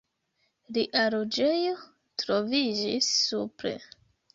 Lia loĝejo troviĝis supre.